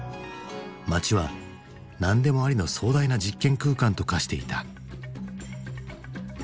街は何でもありの壮大な実験空間と化していた。